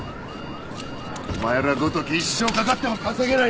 お前らごとき一生かかっても稼げない。